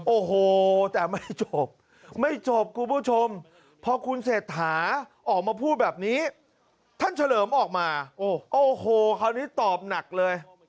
โอ้โหแต่ไม่จบไม่จบคุณผู้ชมพอคุณเศรษฐาออกมาพูดแบบนี้ท่านเฉลิมออกมาโอ้โหคราวนี้ตอบหนักเลย